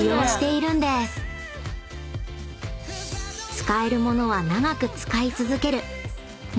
［使える物は長く使い続ける］